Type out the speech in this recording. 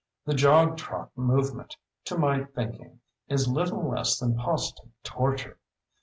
The jog trot movement, to my thinking, is little less than positive torture.